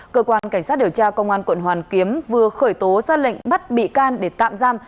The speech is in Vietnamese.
cơ quan cảnh sát điều tra công an quận hoàn kiếm vừa khởi tố ra lệnh bắt bị can để tạm giam